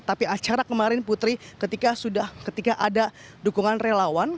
tapi acara kemarin putri ketika sudah ketika ada dukungan relawan